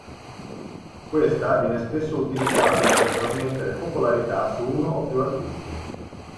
Questa viene spesso utilizzata per trasmettere popolarità su uno o più artisti.